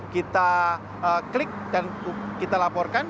kita klik dan kita laporkan